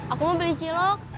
aku mau beli cilok